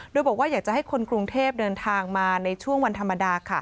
โดยบอกว่าอยากจะให้คนกรุงเทพเดินทางมาในช่วงวันธรรมดา